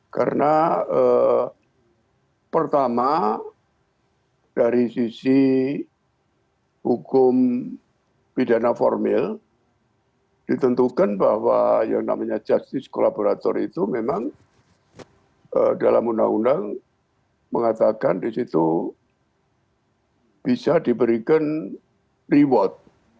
karena pertama dari sisi hukum pidana formil ditentukan bahwa yang namanya justice collaborator itu memang dalam undang undang mengatakan disitu bisa diberikan reward